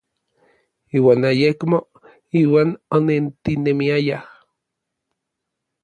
Iuan ayekmo iuan onentinemiayaj.